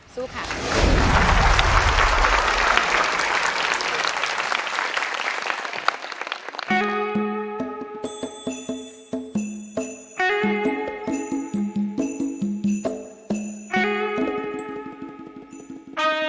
สู้ค่ะ